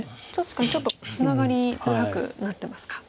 確かにちょっとツナがりづらくなってますか。